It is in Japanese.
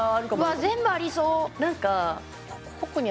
わ全部ありそう。